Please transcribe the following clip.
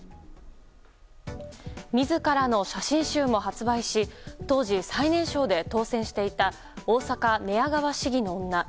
自らの写真集も発売し当時、最年少で当選していた大阪・寝屋川市議の女。